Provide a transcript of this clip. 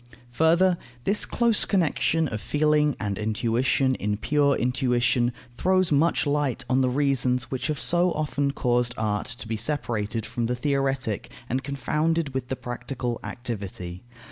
Further, this close connection of feeling and intuition in pure intuition throws much light on the reasons which have so often caused art to be separated from the theoretic and confounded with the practical activity.